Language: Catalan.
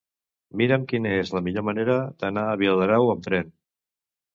Mira'm quina és la millor manera d'anar a Viladrau amb tren.